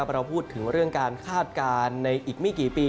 เราพูดถึงเรื่องการคาดการณ์ในอีกไม่กี่ปี